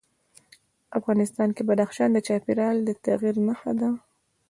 افغانستان کې بدخشان د چاپېریال د تغیر نښه ده.